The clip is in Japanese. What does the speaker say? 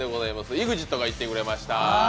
ＥＸＩＴが行ってくれました。